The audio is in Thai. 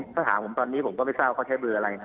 ถ้าถามผมตอนนี้ผมก็ไม่ทราบเขาใช้เบอร์อะไรนะ